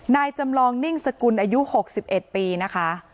จำลองนิ่งสกุลอายุ๖๑ปีนะคะ